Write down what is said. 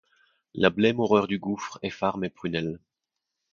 La blême horreur du gouffre effare mes prunelles :